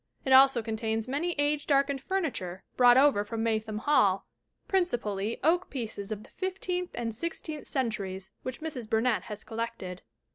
It also contains much age darkeiud furniture brought over from Maytham Hall, princi pally oak pieces of the fifteenth and sixteenth cen turies which Mrs. Burnett has collected.